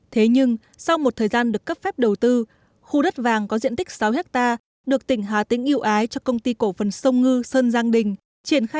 thế nhưng sau một thời gian được cấp phép đầu tư khu đất vàng có diện tích sáu hectare được tỉnh hà tĩnh yêu ái cho công ty cổ phần sông ngư sơn giang đình